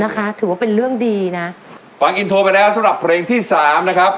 ถือว่าเป็นเรื่องดีนะฟังอินโทรไปแล้วสำหรับเพลงที่สามนะครับ